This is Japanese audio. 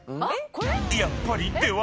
［やっぱりではなく］